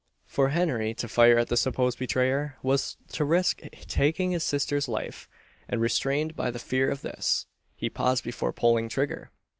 For Henry to fire at the supposed betrayer, was to risk taking his sister's life; and, restrained by the fear of this, he paused before pulling trigger.